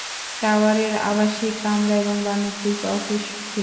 টাওয়ারে আবাসিক কামরা এবং বাণিজ্যিক অফিস ছিল।